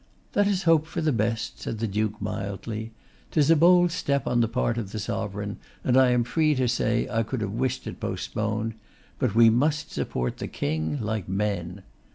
'Let us hope for the best,' said the Duke, mildly. ''Tis a bold step on the part of the Sovereign, and I am free to say I could have wished it postponed; but we must support the King like men.